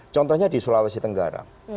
contohnya di sulawesi tenggara